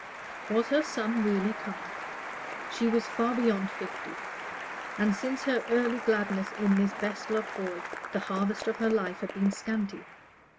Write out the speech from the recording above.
Was her son really coming? She was far beyond fifty; and since her early gladness in this best loved boy, the harvest of her life had been scanty.